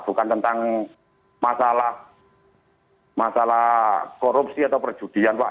bukan tentang masalah korupsi atau perjudian pak